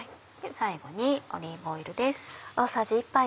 最後にオリーブオイルです。